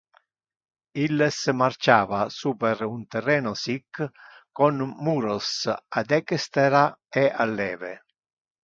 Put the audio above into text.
Illes marchava super un terreno sic, con muros a dextera e a leve!